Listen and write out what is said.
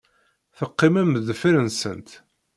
Teqqimem deffir-nsent.